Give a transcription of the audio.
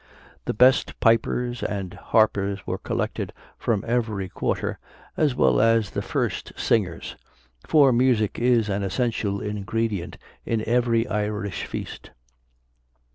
The best pipers and harpers were collected from every quarter, as well as the first singers, for music is an essential ingredient in every Irish feast.